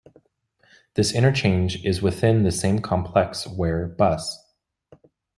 This interchange is within the same complex where Bus.